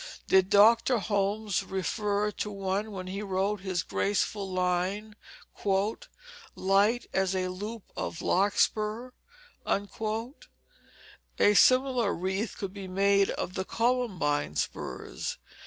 Did Dr. Holmes refer to one when he wrote his graceful line, "light as a loop of larkspur"? A similar wreath could be made of the columbine spurs.